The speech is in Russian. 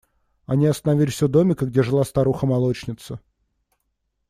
Они остановились у домика, где жила старуха молочница.